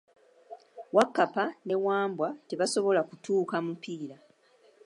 Wakkapa ne Wambwa tebasobola kutuuka mupiira.